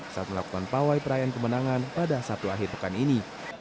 saat melakukan pawai perayaan kemenangan pada sabtu akhir pekan ini